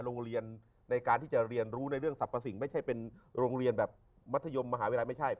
โรงเรียนในการที่จะเรียนรู้ในเรื่องสรรพสิ่งไม่ใช่เป็นโรงเรียนแบบมัธยมมหาวิทยาลัยไม่ใช่